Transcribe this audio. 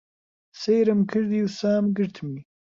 سەیرم کردی و سام گرتمی.